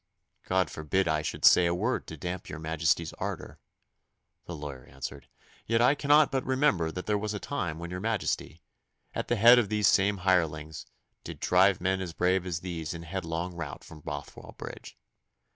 'God forbid that I should say a word to damp your Majesty's ardour,' the lawyer answered; 'yet I cannot but remember that there was a time when your Majesty, at the head of these same hirelings, did drive men as brave as these in headlong rout from Bothwell Bridge.